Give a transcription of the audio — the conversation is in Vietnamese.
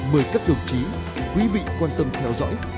mời các đồng chí quý vị quan tâm theo dõi